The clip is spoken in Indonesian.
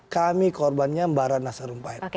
kami korbannya mbak radna sarumpahin